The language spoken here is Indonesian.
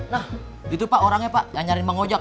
nah itu pak orangnya yang nyari bang ojek